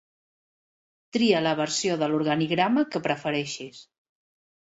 Tria la versió de l'organigrama que prefereixis.